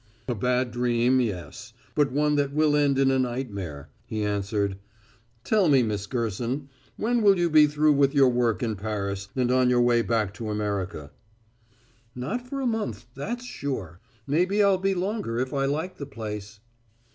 "A bad dream, yes. But one that will end in a nightmare," he answered. "Tell me, Miss Gerson, when will you be through with your work in Paris, and on your way back to America?" "Not for a month; that's sure. Maybe I'll be longer if I like the place."